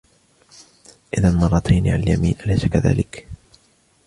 إذن مرتين على اليمين ، أليس كذلك ؟